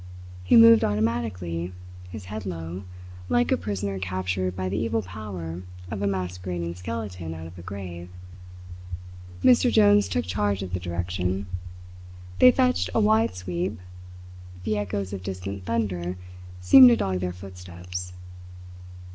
He moved automatically, his head low, like a prisoner captured by the evil power of a masquerading skeleton out of a grave. Mr. Jones took charge of the direction. They fetched a wide sweep. The echoes of distant thunder seemed to dog their footsteps.